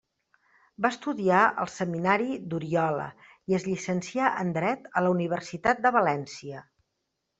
Va estudiar al seminari d'Oriola i es llicencià en dret a la Universitat de València.